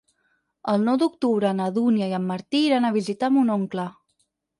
El nou d'octubre na Dúnia i en Martí iran a visitar mon oncle.